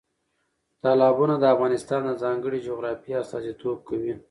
تالابونه د افغانستان د ځانګړې جغرافیې استازیتوب کوي.